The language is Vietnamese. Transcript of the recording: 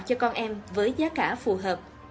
cho con em với giá cả phù hợp